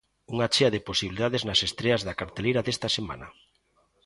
Unha chea de posibilidades nas estreas da carteleira desta semana.